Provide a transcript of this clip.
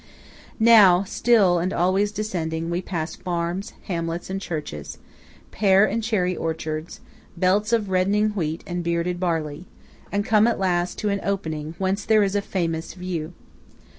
Now, still and always descending, we pass farms, hamlets and churches; pear and cherry orchards; belts of reddening wheat and bearded barley; and come at last to an opening whence there is a famous view.